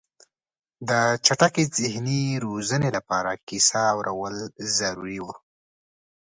د چټکې ذهني روزنې لپاره کیسه اورول ضروري وه.